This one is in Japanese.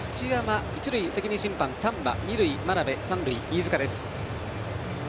球審が土山一塁が責任審判の丹波二塁が眞鍋三塁、飯塚です。